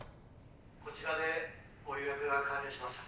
こちらでご予約が完了しました。